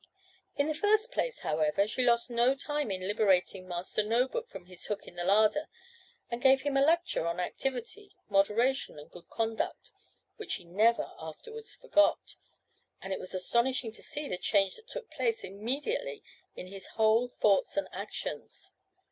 In the first place, however, she lost no time in liberating Master No book from his hook in the larder, and gave him a lecture on activity, moderation, and good conduct, which he never afterwards forgot; and it was astonishing to see the change that took place immediately in his whole thoughts and actions.